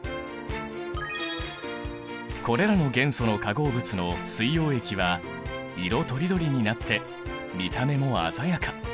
これらの元素の化合物の水溶液は色とりどりになって見た目も鮮やか。